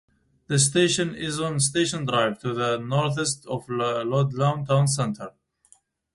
The station is on Station Drive, to the northeast of Ludlow town centre.